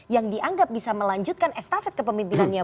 yang dianggap bisa melanjutkan estafet kepemimpinannya